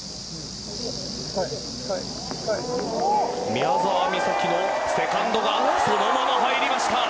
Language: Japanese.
宮澤美咲のセカンドがそのまま入りました。